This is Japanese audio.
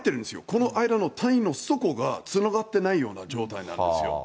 この間の谷の底がつながってないような状況なんですよ。